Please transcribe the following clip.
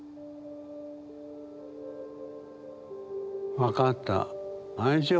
分かった。